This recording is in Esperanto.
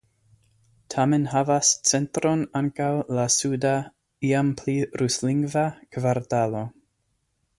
Tamen havas centron ankaŭ la suda (iam pli ruslingva) kvartalo.